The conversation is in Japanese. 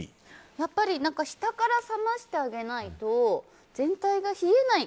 やっぱり下から冷ましてあげないと全体が冷えない。